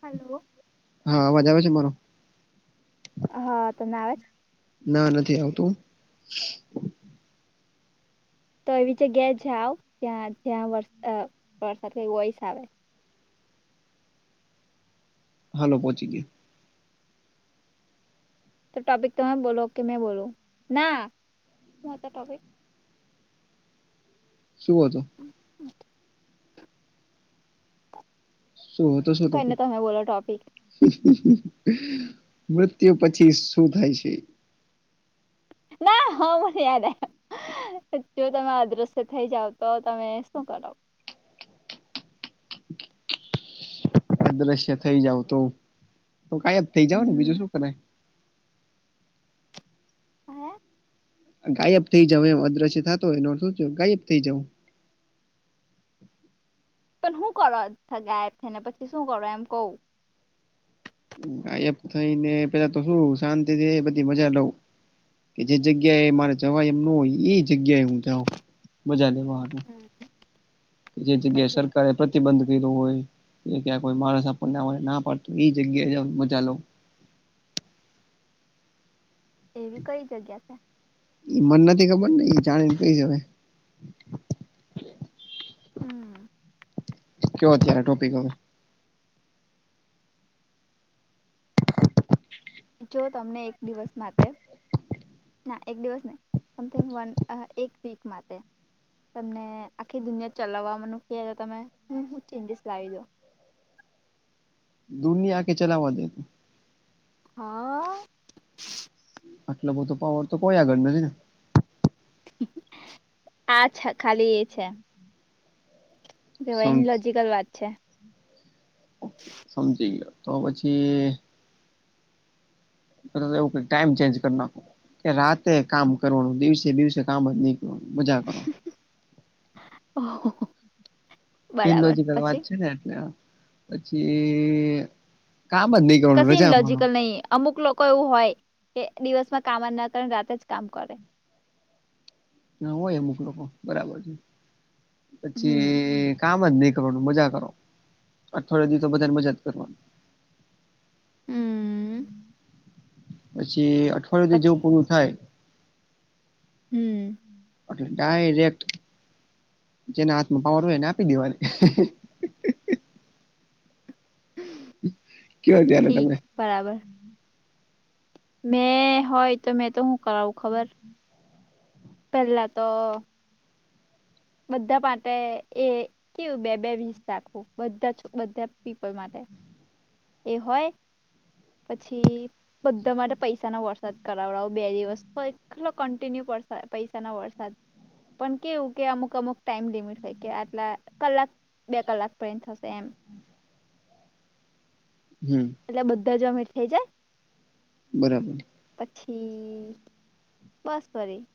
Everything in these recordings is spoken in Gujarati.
હાલો [inaudible] હા અવાજ આવે છે મારો- હા તમારે આવે છે. ના નથી આવતું- તો એવી જગ્યાએ જ આવઓ ત્યાં જ્યાં વર વરસાદ ઓઈસ આવે- હાલો પહોચી ગયા. તો ટોપિક તમે બોલો કે મેં બોલો ના શું ટોપિક. શું હતું. હમ સું હોતસો તો પ કઈને તમે બોલો ટોપિક મૃત્યુ પછી શું થાય છે. ના હા મને યાદ આવ. જો તમે અદ્રશ્ય થઈ જાવ તો તમે શું કરો. અદ્રશ્ય થઈ જાવ તો તો કનઈ તો ગાયબ થઈ જાવ ને હમ બીજું શું કરે. હ [unintelligible] ગાયબ થઈ જાવ એમ અદ્રશ્ય થતો હોય એ શું ગાયબ થઈ જવું. પણ શું કરો ગાયબ થઈ ને પછી શું કરો એમ કવ. ગાયબ થઈને પેલા તો શું શાંતિથી બધી મજા લઉ. કે જે જગ્યા એ મારે જવાય એમ ન હોય ઈ જગ્યાએ હું જાઉ મજા લેવા હાટુ. હમ્મ. કે જે જગ્યાએ સરકારે પ્રતિબંધ કર્યો હોય. એ ક્યાં કોઈ માણસ ના પાડત એ જગ્યાએ જવ મજા લઉ. એવી કઈ જગ્યા છે. એ મન નથી ખબર ને એ જાણી ને કઈશ હવે. હમ કયો અત્યારે ટોપિક હવે. જો તમને એક દિવસ માટે ના એક દિવસ ને સમથિંગ વન એક વીક માટે તમને આખી દુનિયા ચલાવનુ કે તો તમે હું હું ચેન્જીસ લાવી દો. દુનિયા આખી ચલાવા દે. હા આટલો બધો પાવર તો કોઈ આગળ નથી ને. આાછ ખાલી એ છે. કે સમ ઈન્લોજીકલ વાત છે. સમજીગ્યો. તો પછી એવું ટાઈમ ચેન્જ કરી નાખો કે રાતે કામ કરવાનું દિવસે દિવસે કામ જ નઈ મજા કરો. ઓહ હોહો ઈનલોજીકલ વાત છે ને એટલે પછી કામ જ ની કશી ઇનલોજકલ નહી અમુક લોકો એવું હોય કે દિવસમાં કામ ના કર રાતે જ કામ કરે. ના હોય અમુક લોકો બરાબર છે હમ પછી કામ જ નહીં કરવાનું મજા કરો અઠવાડી દિ તો બધા મજા જ કરવાની. હમ પછી અઠવાડિયુંથી પછી જેવું પૂરું થાય. હમ્મ. એટલે ડાયરેક્ટ જેના હાથમાં પાવર હોય એને આપી દેવાની. કેવા ત્યારે ઠીક તમને બરાબર. મેં હોય તો મેં તો હું કરાવું ખબર પેલા તો બધા માટે એ કેવું બે બે વીસ રાખું બધા બધા પીપલ માટે. એ હોય પછી બધા માટે પૈસાનો વરસાદ કરાવડાવો બે દિવસ હોય કેટલો કન્ટિન્યુસ પૈસાના વરસાદ પણ કેવુ કે અમુક અમુક ટાઈમ લિમિટ હોય કે આટલા કલાક બે કલાક પરિંત થશે એમ હમ્મ. એટલે બધા જ અમીર થઇ જાય. બરાબર પછી બસ વરી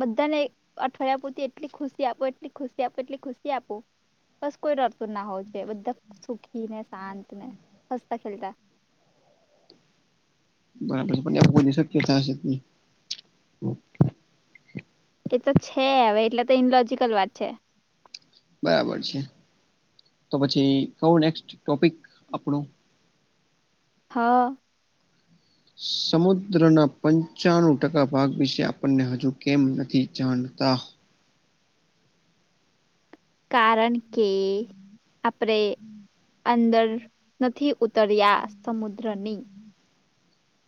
બધાને અઠવાડિયા પૂરતી એટલી ખુશી આપો એટલી ખુશી આપો એટલી ખુશી આપો બસ કોઈ રડતું ના હોવ જોઇએ બધા સુખી ને શાંત ને હસતા ખેલતા બરાબર [unintelligible] શક્યતા હશે એ તો છે હવે એટલે તો ઇનલોજકલ વાત છે. બરાબર છે તો પછી કવ નેક્સ્ટ ટોપિક આપણું. હા. સમુદ્રના પંચાણું ટકા ભાગ વિશે આપણને હજુ કેમ નથી જાણતા કારણ કે આપણે અંદર નથી. ઉત્તરિયા સમુદ્રની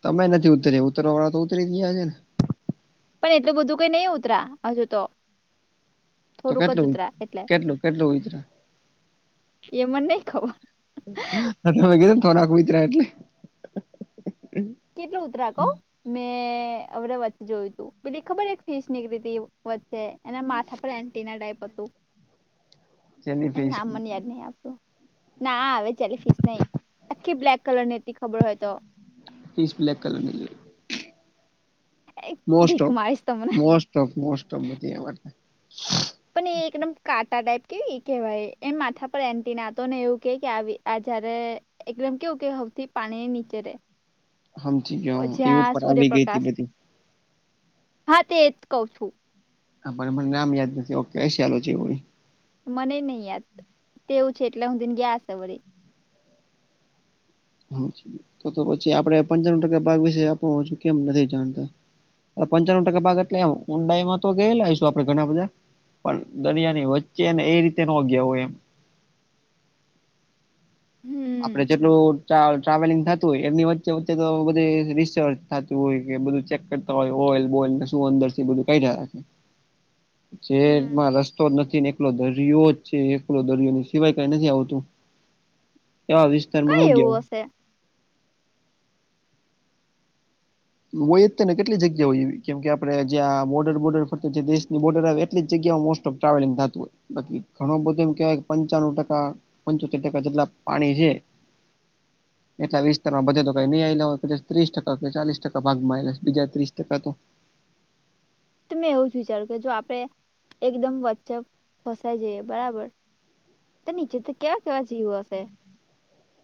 તમે નથી ઉતરી ઉતરવા વાળા તો ઉતરી ગયા છે ને પણ એટલું બધું કઈ નહી ઉતરા હજુ તો તો થોડુંક જ કેટલું ઉતરા એટલે કેટલું કેટલું ઉતરા એ મને નય ખબર. [inaudible] [unintelligible] એટલે કેટલુ ઉતરાકો મેં અવડે વચ્ચે જોયું તું પેલી ખબર એક ફીશ નીકળી તી વચ્ચે એના માથા પર એન્ટિના ટાઈપ હતું જેની એ ફીસ નામ મને યાદ નહ આવતું ના આવે ત્યારે ફીસ નહી આખી બ્લેક કલરની હતી ખબર હોય તો. ીસ્ટ બ્લેક કલરનીઈ ભીખ મારીશ ઓફ તમને મો ઓફ પણ એ એકદમ કાટા ટાઈપ કેવી કેવાય એ માથા પર એન્ટિ નાતો ને એવું કે કે આ જારે એકદમ કેવું કે હૌથી પાણી નીચે રે હમચ ગયો એ જ્યાં ઉપર આવી ગઈ હતી સૂર્યપ્રકાશ બધી. હા તે જ કહ છું. હા પણ મને નામ યાદ નથી ઓકેશિયાલો છેવું હોય. મને નહીિ યાદ તેવું છે એટલે હું દિને ગ્યાસવડે તો તો પછી આપડે પંચાું ટકા ભાગ વિશે આપું કેમ નથી જાણતા પંચાણું ટકા ભાગ એટલે ઊંડાઈ માં તો ગયે લઈશું આપણે ઘણા બધા. પણ દરિયા ની વચ્ચે ને એ રીતે ન ગેવું એમ હમ આપડે જેટલું ટ્રાવેલિંગ થતું એમની વચ્ચે વચ્ચે તો બધ ર સાચું હોય કે બધું ચેક કરતા હોય ઓઈલ બોઇલને શું અંદર છે એ બધું કાઢ્યા રાખે. [inaudible] હમ શરમાં રસ્તો જ નથી ને એકલો દરિયો જ છે એકલો દરિયો સિવાય કઈ નથી આવતું એવા વિસ્તારમાં કઈ ઓગયોવ એવું હશે હોય ને કેટલી જગ્યા હો કેમ કે આપડે જ્યાં બર્ર બોર્ડર જે દેશની બર્ડર આવે એટલી જગ્યા મો ટ્રાવેલિંગ થતું હોય બાકી ઘણો બધો એમ કેહેવાય કે પંચાનુંું ટકા પંચોતેર ટકા જેટલા પાણી છે. એટલા વિસ્તારમાં બધાયય કે ત્રીસ ટકા કે ચાસ ટકા ક ભાગમાંલા બીજા ત્રીસ ટકા તો મેં એવું જ વિચાર્યું કે જો આપડે એકદમ વચ્ચે ફસાઈ જઈએ બરાબર નીચે તો કેવા કેવા જીવો હશે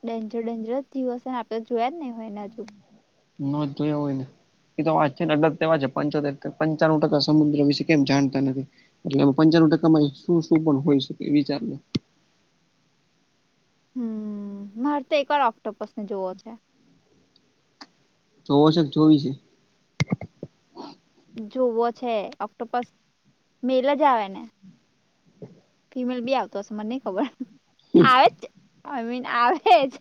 ડેન્જર ડેન્જર જ થયું હશે ને આપે જોયા જ નહી હોય એને હજુ. ન તો એ હોયને એ તો વાત છે અમુક કેવા છે પંચોતેર પંચાણું ટકા સમુદ્ર વિશે કેમ જાણતા નથી. એટલે એમાં પંચાણું ટકામાં શું શું પણ હોય શકે વિચારો? હમ મારે તો એક ઓફ્ટોપસને જોવો છે. તો જોવો છે કે જોવી છે. જોવો છે ઓક્ટોપસ મેલ જ આવે ને? ફિમેલ બી આવતો છે મને નહી ખબર આવે જ આઈ મીન આવે જ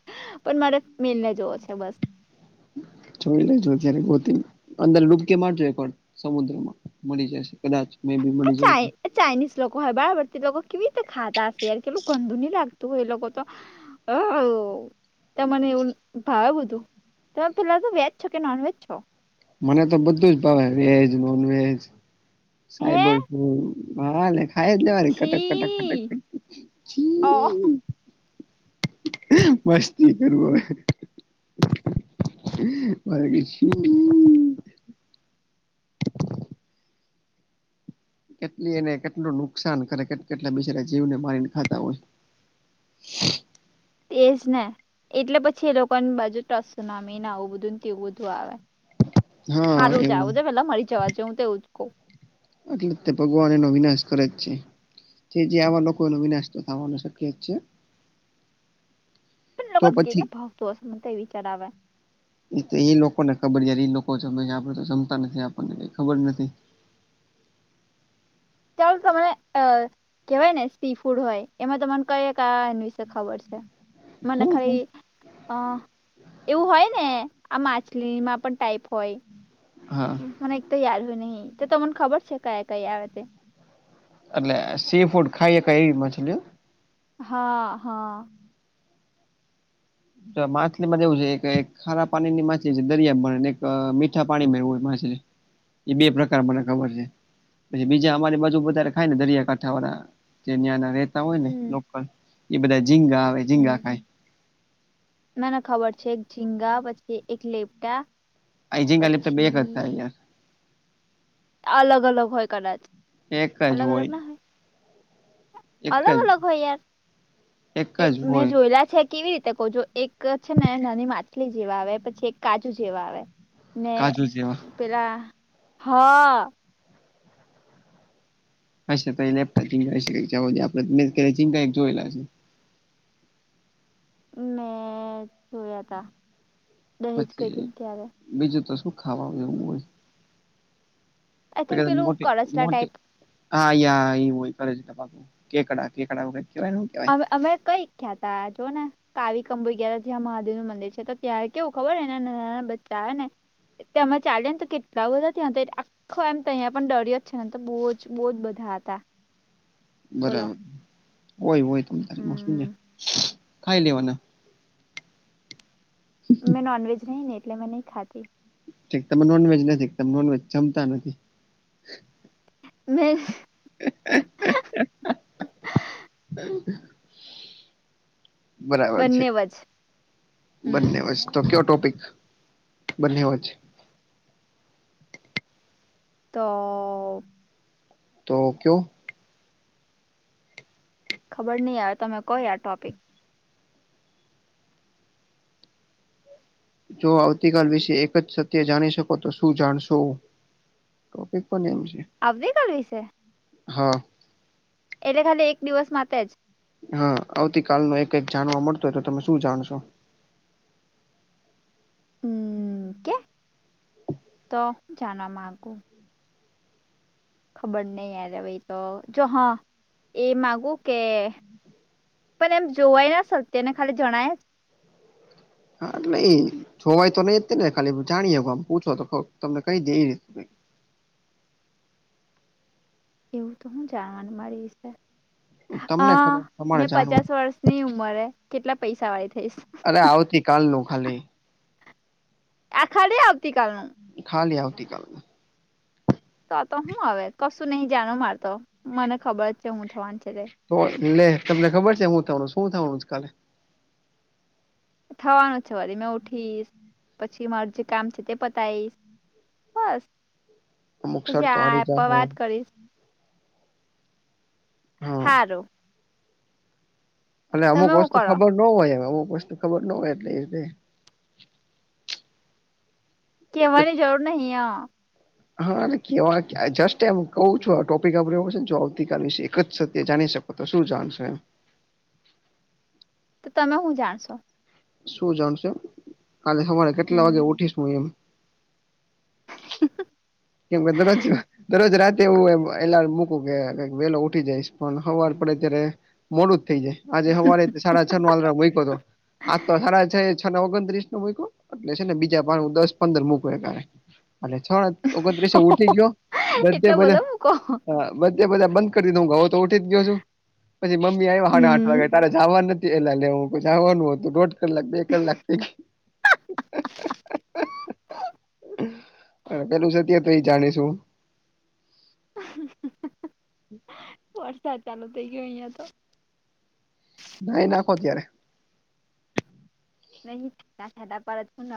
પણ મારે મેલ જોવો છે બસ જોઈલે જોઈલે ગોતીને અંદર ડૂબકી મારજે એક વાર સમુદ્રમાં મળી જશે. કદાચ મે બી મળી જાય. એ ચાઇનીઝ લોકો હોય એ લોકો કેવી રીતે ખાતા હશે યાર કેટલું ગંદુ નહી લાગતું. તું એ લોકો તો તમને એવું ભાવ બધું? તમે પેલા તો વેજ છો કે નોનવેેજ છો? મને તો બધું જ ભાવે વેજ નોન વેજ. હે સાહેબલપુર [unintelligible] ભે [inaudible] ખાઈ લેવાનું કટક કટક છી કટક ઓ મસ્તી કરું છું હવે. હ વાગ શ [inaudible] [unintelligible] કેટલી એને કેટલું નુકસાન કરે કે કેટલા બિચરા જીવને માનીને ખાતા હોય. તેજ ને એટલે પછી એ લોકો ની બાજુ ટ્રસું નામ આવું બધું ને એવું બધું આવે. હા રોજ આવો જે પેલા મરી જવાજ [inaudible] હું તો એ જ કહું. એટલે તે ભગવાન એનો વિનાશ કરે જ છે. તે જે આવા લોકોનો વિનાશ થવાનો છે. તો લોકોને પછી કેમનું ભાવતું હશે, મને તો એ વિચાર આવે. એ તો એ લોકો ને ખબર, યાર. એ લોકો જમે, આપડે તો જમતા નથી, આપણને કંઈ ખબર નથી. ચાલો, તમને કેહેવાય ને સી ફૂડ હોય, એમાં તમારુ કંઈ આ ખબર છે મને હમ હમ. ખાલી. અ એવું હોય ને, આ માછલીમાં પણ ટાાઈપ હોય. હા. મને એક તો યાદ હોય નહિં, તો તમને ખબર છે કયા કયા આવે છે? એટલે સી ફૂડ ખાઈએ એવી મછલી હા, હા. માછલી માં એવું છે કે, ખારા પાણી ની માછલી દરિયાની, એક મીઠા પાણીમાં એવું માછલી એ બે પ્રકાર મને ખબર છે. પછી બીજા અમારી બાજુ વધારે ખાય ને, દરિયાકાંઠા વાળા જયાંના હોય ને, હમ એ બધા ઝીંગા આવે, હમ ઝીંગા ખાય. મને ખબર છે, એક ઝીંગા પછી એક લેપટા અજિંગ લપ્ટ બે પછી હતા યાર. અલગ અલગ હોય કદાચ. એક જ અલગ અલગ હોય. ના એક અલગ જ અલગ હોય યાર, એક એ જ મેં હોય જોયેલા છે. કેવી રીતે કહજો, એક છે ને નાની માછલી જેવા આવે, પછી એક કાજુ જેવા આવે. ને કાજુ જેવા પેલા હા. અ તો લેપ્ટ [inaudible] ચિં [inaudible] આપ ત ચિં [unintelligible] એક જોયેલા છે. મેં જોયા હતા. પછી બીજું તો શું ખાવાનું એવું હોય? આઈ બે થિંક પેલું મોટી કરચલા ટાઈપ મોટી હા, એવું હોય કરે છે, કેકડા કેકડા કેવાય. કેવાય અમે કંઈ કંઈ ગયા હતા. કાવી કંબુગયાર, જ્યાં મહાદેવનું મંદિર છે, તો ત્યાં કેવું ખબર હોય, એના નાના નાના બચ્ચા આવે ને તેમાં ચાલે ને, તો કેટલા બધા ત્યા ખ એમ તો અહીંયા પણ દરિયો છે ને, તો બહુ જ બહુ જ બધા હતા. બોલો બરાબર હોય હોય, તમ તારીમાં શું ને. હમ ખાઈ લેવાના. મેં નોનવેજ નહીં, એટલે મેં નહીં ખાતી. ઠીક, તમે નોનવેજ નથી, તમે નોનવેજ જમતા નથી. મેં હા, આ, આ, આ. બરાબર છે, બંને વજ હમ બંને વ તો કયો ટોપિક? બંને વાત છે. તો. તો કયો? ખબર નહીં આવે, તમે કયો ટોપિક. જો આવતીકાલ વિશે એક જ સત્ય જાણી શકો, તો શું જાણશો? ટોપિક પણ એમ છે. આવતીકાલ વિશે. હા એટલે ખાલી એક દિવસ માટે જ. હા, આવતીકાલ નું એક-એક જ જાણવા મળતું હોય, તો તમે શું જાણશો? હમ, કે તો હું જાણવા માગુ. ખબર નહી એ તો જો હા એ માગુ કે પણ એમ જોવાય ના સત્યને ખાલી જણાય. હા એટલે એઈ જોવાય તો નઈ જ ને ખાલી જાણીએમ પૂછો તો તમને કઈ દે. રીતે. એવું તો હું જાણવાનું મારી વિશે હ તમને ખબર તમારે મેં જાણવું પચાસ વર્ષ ની ઉંમરે કેટલા પૈસા વાળી થઈશ. અરે આવતી કાલ નું ખાલી. આ ખાલી આવતીકાલનું ખાલી આવતીકાલ નું. તો તો હું હવે કશું નહી જાણ માર તો મને ખબર જ છે હું થવાની છે રે. તો તમને ખબર છે હું થવાનું શું થવાનું કાલે. થવાનું છે વારી મે ઉઠીશ પછી મારું જે કામ છે તે પતાયશ બસ અમુક પછી શરતો આ હારી આપ જાહો વાત કરીશ. હા હારુ અમુક તમે હું વસ્તુ કરો ખબર ન હોય એમ અમુક વસ્તુ ખબર ના હોય એટલે એ એક કેવાની જ જરૂર નહી આ. હા એટલે કેવા જસ્ટ એમ કઉું છું આ ટોપિક આપડશે ને જો આવતીકાલ વિશે એક જ સત્ય જાણી શક તો તો શું જાલશે. તો તમે હું જાણશો. શું જાણશો કાલે હવારે કેટલા વાગે હમ ઉઠીશ હું એમ. હ કેમ બેદર છ. દરરોજ રાતે એવું એલારામ મૂકું કેઈ વેલો ઉઠી જઈશ પણ હવાર પડે ત્યારે મોડું જ થઈ જાય આજે સવારે સાડા છ નો એલાર્મ મૂક્યો હતો. આ તો સાારા છે છ ને ઓગણત્રીસ નો મૂક એટલે છે ને બીજા પા દસ પંદર મૂક હારે એલે છ ઓગણત્રીસ ઊઠી ગયો બ એટલા બધા મૂકો બધે બધા બંધ કરી દીધું હું ગઉ તો ઉઠી જ ગયો છું પછી મમ્મી આવ્યા હાડા હ હમ તારેા જવા નથી એટલે લેઈ તારે જવાનું હોતું દોઢ કલાક બે કલાક. [unintelligible] પેલું સત્ય તો એ જાણેશું. હ હમ વરસાદ ચાલુ થઇ ગયો અહિયા તો નાહી નાખો ત્યારે. નહી ખ પરત [unintelligible]